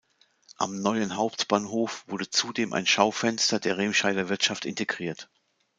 Am neuen Hauptbahnhof wurde zudem ein Schaufenster der "Remscheider Wirtschaft" integriert.